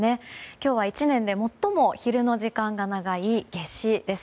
今日は１年で最も昼の時間が長い夏至です。